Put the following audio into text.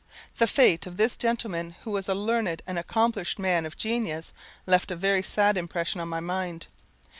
The fate of this gentleman, who was a learned and accomplished man of genius, left a very sad impression on my mind.